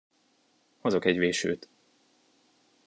Hozok egy vésőt.